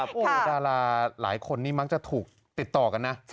คือดาราหลายคนนี่มักจะถูกติดต่อกันนะ